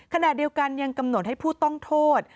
ขณะเดียวกันยังกำหนดให้ผู้ต้องโทษ